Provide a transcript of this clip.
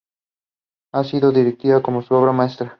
Ha sido descrita como su obra maestra.